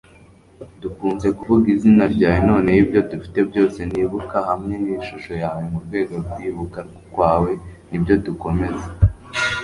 dukunze kuvuga izina ryawe noneho ibyo dufite byose nibuka hamwe nishusho yawe murwego kwibuka kwawe nibyo dukomeza